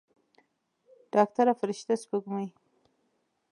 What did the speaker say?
ډاکتره فرشته سپوږمۍ.